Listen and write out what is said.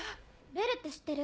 ベルって知ってる？